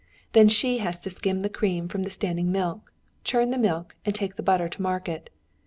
Then she has to skim the cream from the standing milk, churn the milk, and take the butter to market.